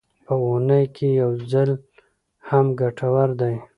په اونۍ کې یو ځل هم ګټور دی.